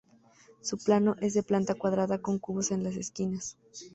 Su plano es de planta cuadrada con grandes cubos en las esquinas.